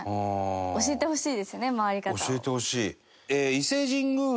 教えてほしい。